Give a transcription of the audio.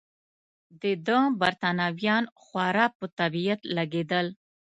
د ده بریتانویان خورا په طبیعت لګېدل.